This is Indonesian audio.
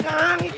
ke atas itu